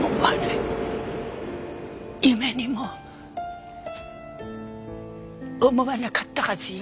夢にも思わなかったはずよ。